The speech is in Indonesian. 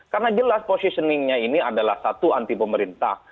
karena jelas positioningnya ini adalah satu anti pemerintah